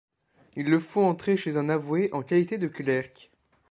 Ils le font entrer chez un avoué en qualité de clerc.